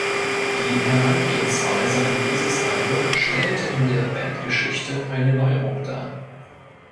Die Herangehensweise an dieses Album stellte in der Bandgeschichte eine Neuerung dar.